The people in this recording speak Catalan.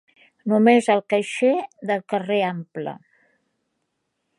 Només el caixer del carrer Ample.